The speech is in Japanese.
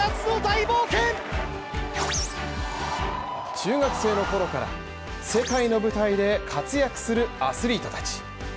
中学生の頃から、世界の舞台で活躍するアスリートたち。